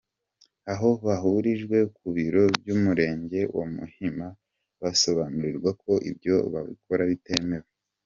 Aho bahurijwe ku biro by’Umurenge wa Muhima basobanurwa ko ibyo bakora bitemewe.